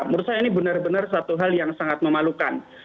menurut saya ini benar benar satu hal yang sangat memalukan